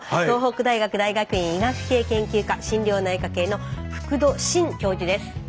東北大学大学院医学系研究科心療内科学の福土審教授です。